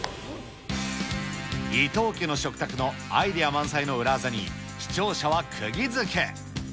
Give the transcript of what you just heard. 伊東家の食卓のアイデア満載の裏ワザに、視聴者はくぎづけ。